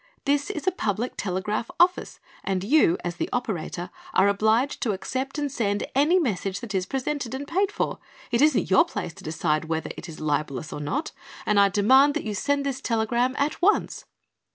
"This is a public telegraph office and you, as the operator, are obliged to accept and send any message that is presented and paid for. It isn't your place to decide whether it is libelous or not, and I demand that you send this telegram at once."